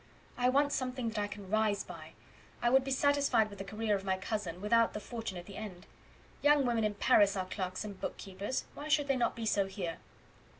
I want something that I can rise by. I could be satisfied with the career of my cousin, without the fortune at the end. Young women in Paris are clerks and bookkeepers; why should they not be so here?"